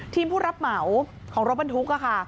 ทีมผู้รับเหมาของรถบรรทุก